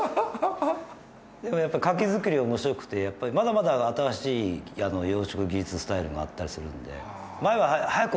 でもやっぱカキ作り面白くてまだまだ新しい養殖技術スタイルがあったりするんで。